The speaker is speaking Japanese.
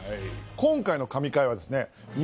今回の「神回」はですね